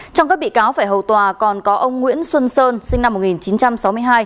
trong các bị cáo phải hầu tòa còn có ông nguyễn xuân sơn sinh năm một nghìn chín trăm sáu mươi hai